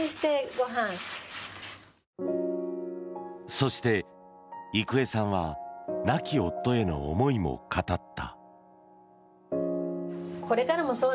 そして、郁恵さんは亡き夫への思いも語った。